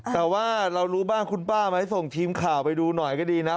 แต่ว่าเรารู้บ้างคุณป้าไหมส่งทีมข่าวไปดูหน่อยก็ดีนะ